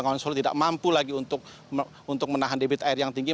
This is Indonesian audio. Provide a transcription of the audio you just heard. kawasan solo tidak mampu lagi untuk menahan debit air yang tinggi